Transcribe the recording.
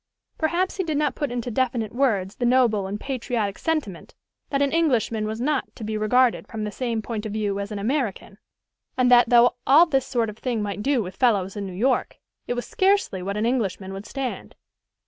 Perhaps he did not put into definite words the noble and patriotic sentiment that an Englishman was not to be regarded from the same point of view as an American, and that, though all this sort of thing might do with fellows in New York, it was scarcely what an Englishman would stand.